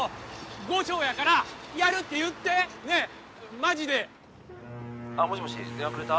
後生やからやるって言ってねっマジで☎あっもしもし電話くれた？